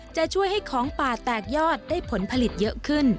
จะช่วยให้ของป่าแตกยอดได้ผลผลิตเยอะขึ้น